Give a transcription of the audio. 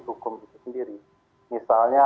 hukum itu sendiri misalnya